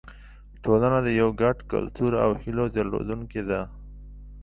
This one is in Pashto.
ټولنه د یو ګډ کلتور او هیلو درلودونکې ده.